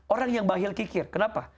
orang yang bahil kikir kenapa